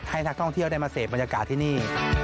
ให้นักท่องเที่ยวได้มาเสพบรรยากาศที่นี่